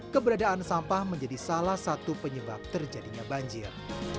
keberadaan sampah menjadi salah satu penyebab terjadinya banjir